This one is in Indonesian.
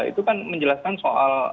itu kan menjelaskan soal